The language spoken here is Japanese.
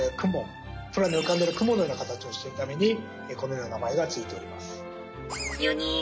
空に浮かんでいる雲のような形をしているためにこのような名前が付いております。